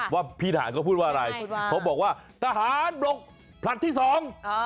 ว่าพี่ทหารเขาพูดว่าอะไรเขาบอกว่าทหารบลกผลัดที่สองอ่า